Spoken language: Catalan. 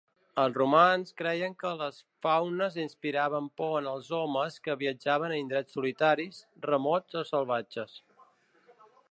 Els romans creien que els faunes inspiraven por en els homes que viatjaven a indrets solitaris, remots o salvatges.